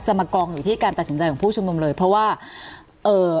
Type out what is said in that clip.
มากองอยู่ที่การตัดสินใจของผู้ชุมนุมเลยเพราะว่าเอ่อ